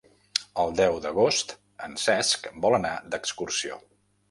El deu d'agost en Cesc vol anar d'excursió.